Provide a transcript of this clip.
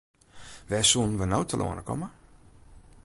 Wêr soenen we no telâne komme?